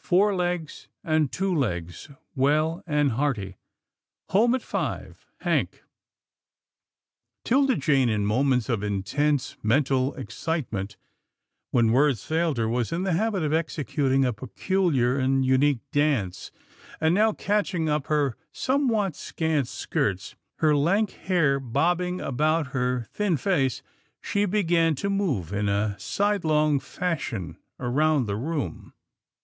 Four Legs and Two Legs well and hearty. Home at five. Hank.' " 'Tilda Jane in moments of intense mental ex citement, when words failed her, was in the habit of executing a peculiar and unique dance, and now, catching up her somewhat scant skirts, her lank hair bobbing about her thin face, she began to move in a sidelong fashion about the room.